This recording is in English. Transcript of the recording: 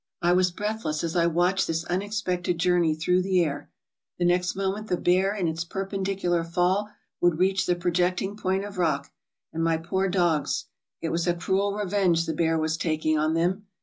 I was breathless as I watched this unexpected journey through the air. The next moment the bear in its perpendicular fall would reach the projecting point of rock, and my poor dogs — it was a cruel revenge the bear was taking on them!